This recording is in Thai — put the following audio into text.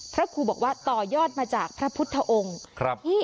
พระครูบอกว่าต่อยอดมาจากพระพุทธองค์